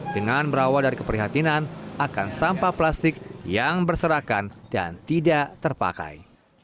dengan berawal dari keprihatinan akan sampah plastik yang berserakan dan tidak terpakai